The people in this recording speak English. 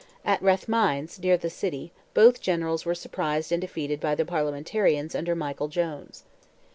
At Rathmines, near the city, both generals were surprised and defeated by the Parliamentarians under Michael Jones.